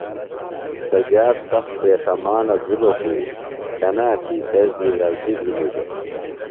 سجاد سخت پیخمانہ بِھلوۡ خو کنا تھی تس دی غلطیۡ بِھلیۡ دےۡ۔